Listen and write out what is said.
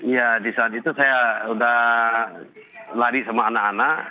ya di saat itu saya sudah lari sama anak anak